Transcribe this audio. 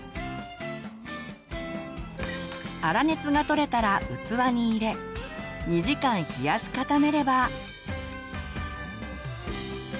粗熱が取れたら器に入れ２時間冷やし固めれば。